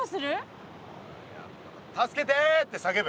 「助けて」って叫ぶ。